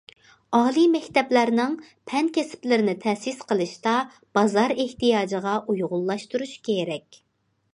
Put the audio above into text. ئالىي مەكتەپلەرنىڭ پەن- كەسىپلىرىنى تەسىس قىلىشتا بازار ئېھتىياجىغا ئۇيغۇنلاشتۇرۇش كېرەك.